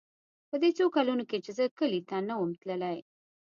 په دې څو کلونو چې زه کلي ته نه وم تللى.